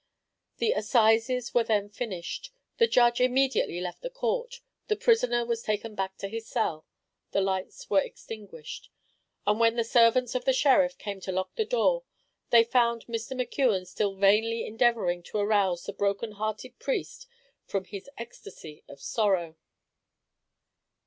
The assizes were then finished the judge immediately left the court the prisoner was taken back to his cell the lights were extinguished and when the servants of the sheriff came to lock the door, they found Mr. McKeon still vainly endeavouring to arouse the broken hearted priest from his ecstasy of sorrow.